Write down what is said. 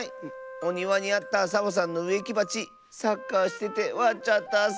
おにわにあったサボさんのうえきばちサッカーしててわっちゃったッス。